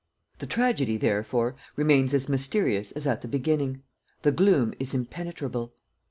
"The tragedy, therefore, remains as mysterious as at the beginning, the gloom is impenetrable.